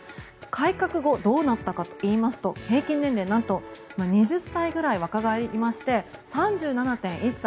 改革後どうなったかといいますと平均年齢、なんと２０歳ぐらい若返りまして３７．１歳。